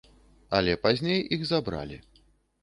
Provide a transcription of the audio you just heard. Але пазней іх забралі.